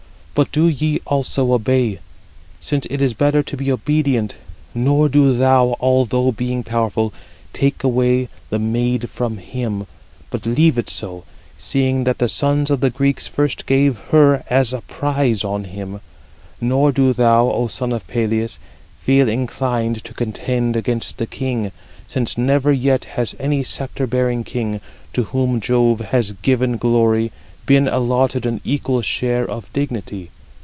But do ye also obey, since it is better to be obedient; nor do thou, although being powerful, take away the maid from him, but leave it so, seeing that the sons of the Greeks first gave [her as] a prize on him. Nor do thou, Ο son of Peleus, feel inclined to contend against the king; since never yet has any sceptre bearing king, to whom Jove has given glory, been allotted an equal share of dignity.